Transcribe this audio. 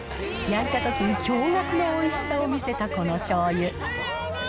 焼いたときに驚がくのおいしさを見せたこの醤油。